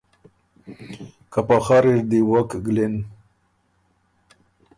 که په خر اِر دی وک ګلِن۔